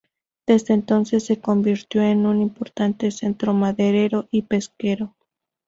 Desde entonces se convirtió en un importante centro maderero y pesquero.